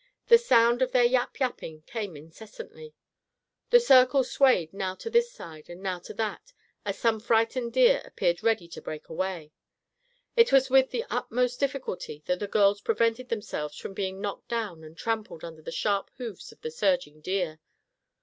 The sound of their yap yapping came incessantly. The circle swayed now to this side and now to that as some frightened deer appeared ready to break away. It was with the utmost difficulty that the girls prevented themselves from being knocked down and trampled under the sharp hoofs of the surging deer.